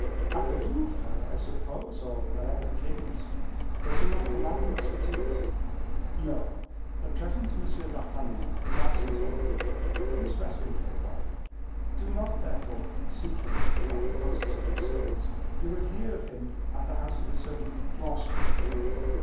"At the Louvre, I suppose, or wherever the king is. Does he not command the musketeers?" "No; at present M. d'Artagnan is absent on leave; he is resting for awhile. Do not, therefore, seek him at the posts of his service. You will hear of him at the house of a certain Planchet."